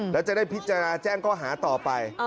แล้วจะได้พิจารณาแจ้งข้อหาต่อไป